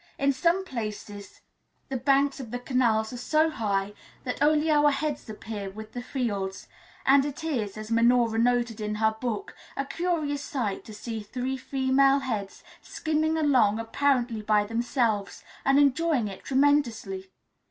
In some places the banks of the canals are so high that only our heads appear level with the fields, and it is, as Minora noted in her book, a curious sight to see three female heads skimming along apparently by themselves, and enjoying it tremendously.